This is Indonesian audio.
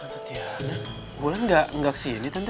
tante tiana wulan gak kesini tante